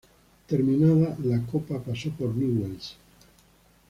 Terminada la Copa pasó por Newell’s.